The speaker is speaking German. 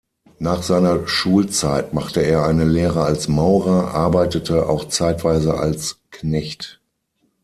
Nach seiner Schulzeit machte er eine Lehre als Maurer, arbeitete auch zeitweise als Knecht.